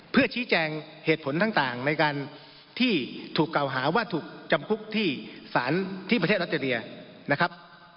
เพื่อชี้แจงเหตุผลต่างในการที่ถูกกล่าวหาว่าถูกจำคุกที่สารที่ประเทศออสเตรเลียนะครับ